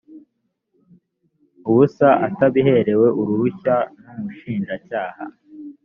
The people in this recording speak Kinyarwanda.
ubusa atabiherewe uruhushya n umushinjacyaha